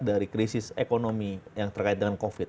dari krisis ekonomi yang terkait dengan covid